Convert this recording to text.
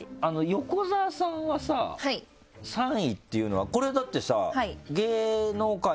横澤さんはさ３位っていうのはこれはだってさ。